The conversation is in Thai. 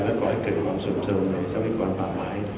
จะก่อให้เกิดความสูงเซิมในชาวิกวารปากหมาย